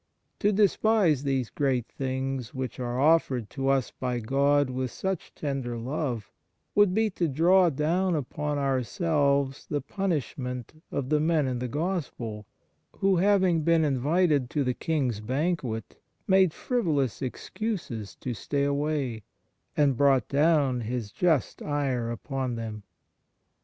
To despise these great gifts which are offered to us by God with such tender love would be to draw down upon ourselves the punishment of the men in the Gospel, who, having been invited to the king s banquet, made frivolous excuses to stay away, and brought down his just ire upon them.